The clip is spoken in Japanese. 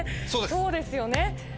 そうですよね。